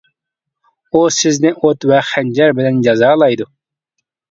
ئۇ سىزنى ئوت ۋە خەنجەر بىلەن جازالايدۇ!